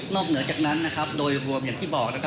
เหนือจากนั้นโดยรวมอย่างที่บอก